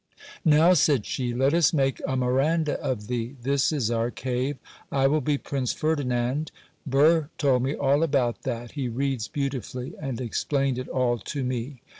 'Now,' said she, 'let us make a Miranda of thee. This is our cave. I will be Prince Ferdinand. Burr told me all about that,—he reads beautifully, and explained it all to me.